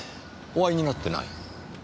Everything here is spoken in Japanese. お会いになってない？